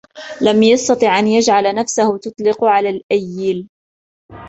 لم يستطع أن يجعل نفسه تطلق على الأيِّل.